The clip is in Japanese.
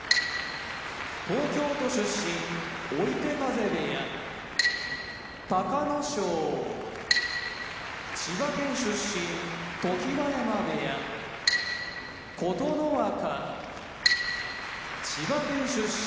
東京都出身追手風部屋隆の勝千葉県出身常盤山部屋琴ノ若千葉県出身